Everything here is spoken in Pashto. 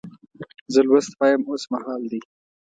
زه لوست وایم اوس مهال دی.